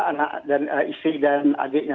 anak dan isri dan adiknya tiga